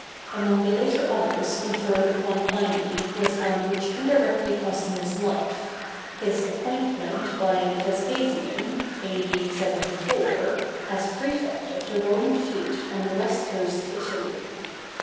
Among the later honors conferred upon Pliny was one which indirectly cost him his life—his appointment by Vespasian, A.D. 74, as prefect of the Roman fleet on the west coast of Italy.